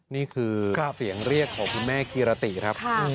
นี่คือเสียงเรียกของคุณแม่กีรติครับ